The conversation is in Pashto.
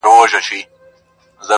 که څه کم و که بالابود و ستا په نوم و~